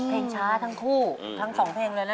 เพลงช้าทั้งคู่ทั้งสองเพลงเลยนะ